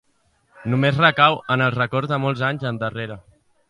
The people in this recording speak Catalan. Només recau en els records de molts anys endarrere